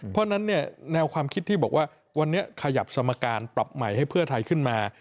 เพราะฉะนั้นเนี่ยแนวความคิดที่บอกว่าวันนี้ขยับสมการปรับใหม่ให้เพื่อไทยขึ้นมา